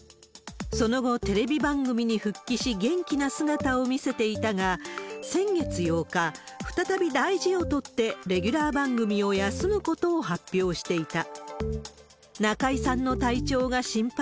その後、テレビ番組に復帰し、元気な姿を見せていたが、先月８日、再び大事を取って、レギュラー番組を休むことを発表していた。